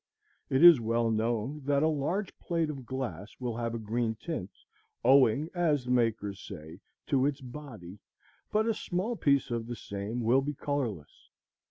It is well known that a large plate of glass will have a green tint, owing, as the makers say, to its "body," but a small piece of the same will be colorless.